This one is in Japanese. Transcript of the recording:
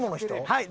はい。